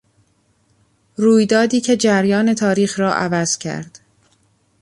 رویدادی که جریان تاریخ را عوض کرد